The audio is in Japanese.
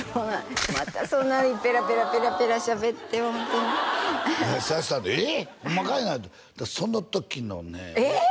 またそんなにペラペラペラペラしゃべってホントに「ええ！ホンマかいな」いうてその時のねええ！？